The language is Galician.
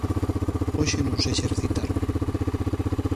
Hoxe non se exercitaron.